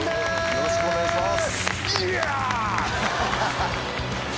よろしくお願いします。